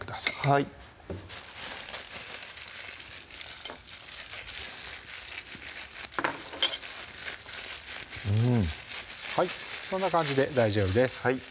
はいうんはいそんな感じで大丈夫です